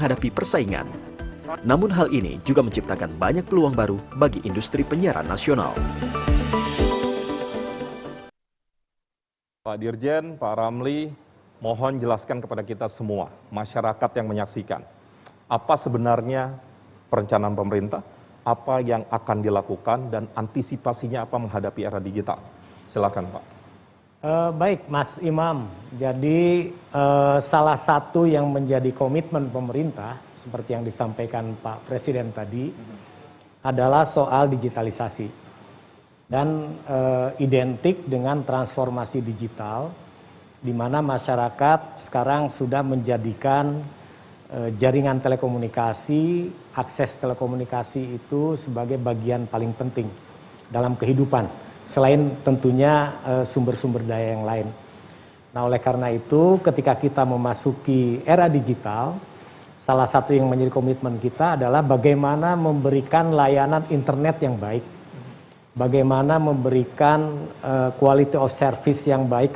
ada persoalan persoalan besar yang kita tidak bisa selesaikan karena kelambanan dari migrasi ini